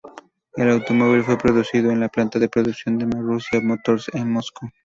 El automóvil fue producido en la planta de producción de Marussia Motors en Moscú.